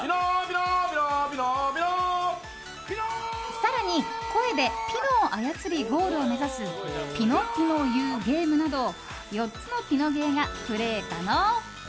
更に、声でピノを操りゴールを目指す「ピノピノ言うゲーム」など４つのピノゲーがプレー可能。